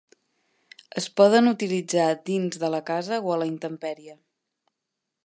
Es poden utilitzar dins de la casa o a la intempèrie.